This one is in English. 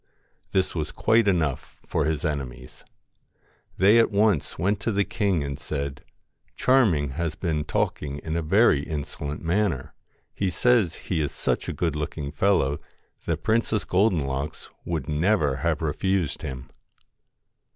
This was quite enough for his enemies. They at once went to the king and said :' Charming has been talking in a very insolent manner. He says he is such a good looking fellow that Princess Golden locks would never have refused him.'